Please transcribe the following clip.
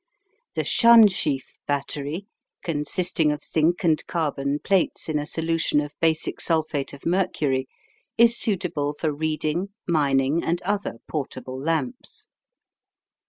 The Schanschieff battery, consisting of zinc and carbon plates in a solution of basic sulphate of mercury, is suitable for reading, mining, and other portable lamps.